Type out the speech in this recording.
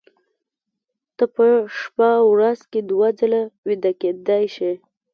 ته په شپه ورځ کې دوه ځله ویده کېدلی شې